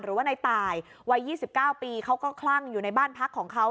หรือว่าในตายวัย๒๙ปีเขาก็คลั่งอยู่ในบ้านพักของเขา